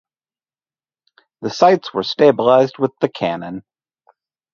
The sights were stabilised with the cannon.